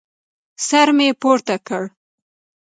سر مې پورته کړ.